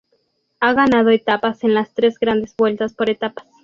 Ha ganado etapas en las tres Grandes Vueltas por etapas.